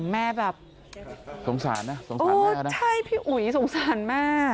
แม่แบบสงสารนะสงสารแม่นะใช่พี่อุ๋ยสงสารแม่